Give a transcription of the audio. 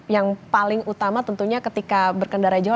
yang paling utama tentunya ketika berkendara jawa